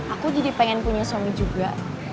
aku jadi pengen punya suami juga